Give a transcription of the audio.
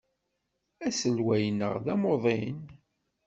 Aselway-nneɣ d amuḍin.